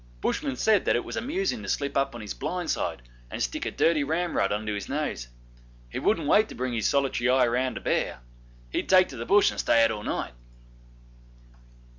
Bushmen said that it was amusing to slip up on his blind side and stick a dirty ramrod under his nose: he wouldn't wait to bring his solitary eye to bear he'd take to the Bush and stay out all night.